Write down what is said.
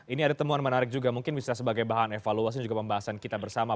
ini ada temuan menarik juga mungkin bisa sebagai bahan evaluasi juga pembahasan kita bersama